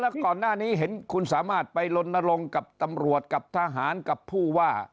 แล้วก่อนหน้านี้เห็นคุณสามารถไปลนรงค์กับตำรวจกับทหารกับผู้ว่า